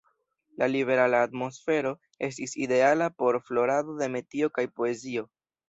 La liberala atmosfero estis ideala por florado de metio kaj poezio.